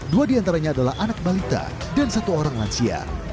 dua diantaranya adalah anak balita dan satu orang lansia